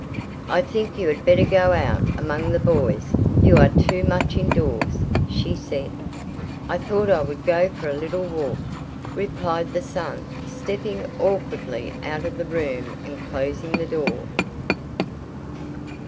"I think you had better go out among the boys. You are too much indoors," she said. "I thought I would go for a little walk," replied the son stepping awkwardly out of the room and closing the door.